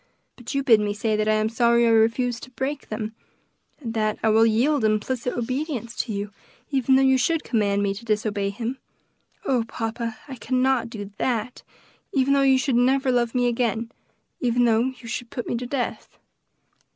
But you bid me say that I am sorry I refused to break them; and that I will yield implicit obedience to you, even though you should command me to disobey him. Oh, papa, I cannot do that, even though you should never love me again; even though you should put me to death."